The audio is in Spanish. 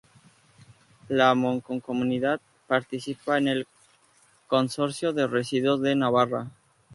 La Mancomunidad participa en el Consorcio de Residuos de Navarra.